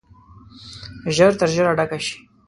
ژر تر ژره ډکه شي.